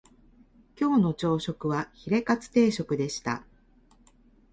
今日の朝食はヒレカツ定食でした